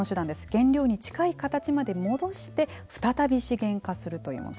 原料に近い形まで戻して再び資源化するというもの。